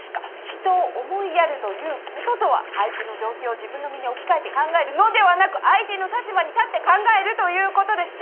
人を思いやるということとは相手の状況を自分の身に置きかえて考えるのではなく相手の立場に立って考えるということです。